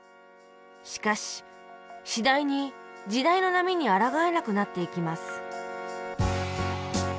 しかし次第に時代の波にあらがえなくなっていきます